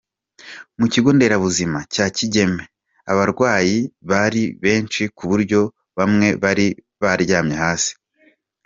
Mu kigo nderabuzima cya Kigeme abarwayi bari benshi ku buryo bamwe bari baryamye hasi.